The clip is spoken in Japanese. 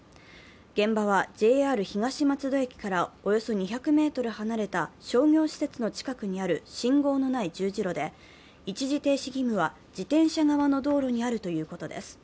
現場はＪＲ東松戸駅からおよそ２００ｍ離れた商業施設の近くにある信号のない十字路で、一時停止義務は自転車側の道路にあるということです。